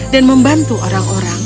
dan membantu orang orang